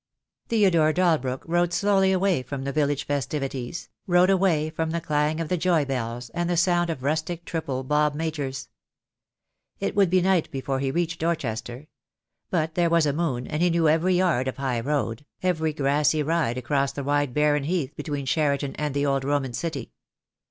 Theodore Dalbrook rode slowiy awray from the village festivities, rode away from the clang of the joy bells, and the sound of rustic triple bob majors. It would be night before he reached Dorchester; but there was a moon. THE DAY WILL COME. I Q. and he knew every yard of high road, every grassy ride across the wide barren heath between Cheriton and the old Roman city.